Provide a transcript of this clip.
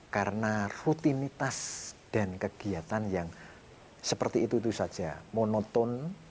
karena rutinitas dan kegiatan yang seperti itu saja monoton